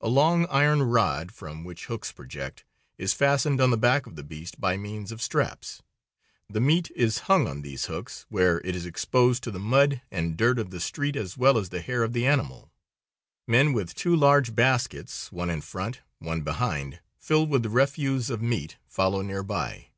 A long, iron rod, from which hooks project, is fastened on the back of the beast by means of straps. The meat is hung on these hooks, where it is exposed to the mud and dirt of the streets as well as the hair of the animal. Men with two large baskets, one in front, one behind, filled with the refuse of meat, follow near by.